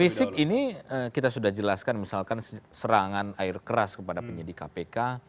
fisik ini kita sudah jelaskan misalkan serangan air keras kepada penyidik kpk